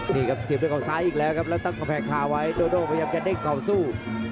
นี่ครับเสียบด้วยเขาซ้ายอีกแล้วครับแล้วตั้งกำแพงคาไว้โดโดพยายามจะเด้งเขาสู้